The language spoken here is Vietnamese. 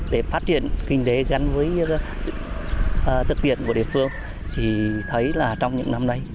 để phát triển kinh tế gắn với thực hiện của địa phương thì thấy là trong những năm nay